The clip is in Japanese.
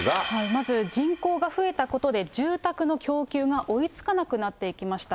まず人口が増えたことで、住宅の供給が追い付かなくなっていきました。